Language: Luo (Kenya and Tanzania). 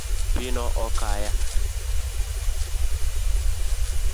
Pino okaya.